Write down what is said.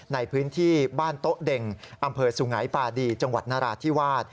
ในพื้นที่บ้านโต๊ะเด็งอำเภอสุงัยปาดีจังหวัดนราธิวาส